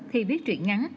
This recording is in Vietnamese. thì viết truyện ngắn